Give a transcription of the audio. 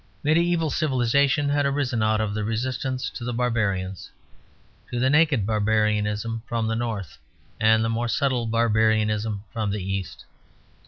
Mediæval civilization had arisen out of the resistance to the barbarians, to the naked barbarism from the North and the more subtle barbarism from the East.